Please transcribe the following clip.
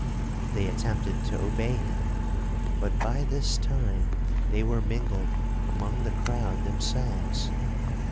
They attempted to obey him; but by this time they were mingled among the crowd themselves.